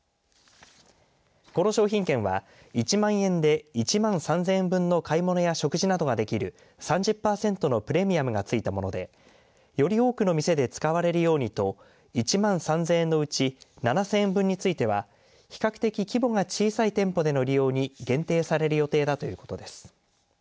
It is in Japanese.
この商品券は１万円で１万３０００円分の買い物や食事などができる３０％のプレミアムが付いたもので、より多くの店で使われるようにと１万３０００円のうち７０００円分については比較的規模が小さい店舗での利用に限定される予定だということです。